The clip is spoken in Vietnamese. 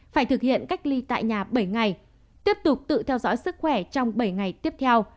phải thực hiện cách ly tại nhà bảy ngày tiếp tục tự theo dõi sức khỏe trong bảy ngày tiếp theo